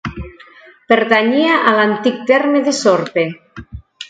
Pertanyia a l'antic terme de Sorpe.